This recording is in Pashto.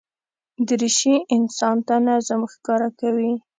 دریشي انسان ته نظم ښکاره کوي.